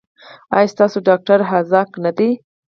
ایا ستاسو ډاکټر حاذق نه دی؟